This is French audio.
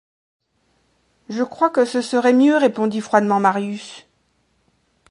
Je crois que ce serait mieux, répondit froidement Marius.